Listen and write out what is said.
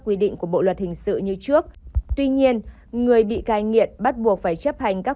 quy định của bộ luật hình sự như trước tuy nhiên người bị cai nghiện bắt buộc phải chấp hành các